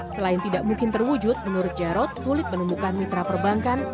selain tidak mungkin terwujud menurut jarod sulit menemukan mitra perbankan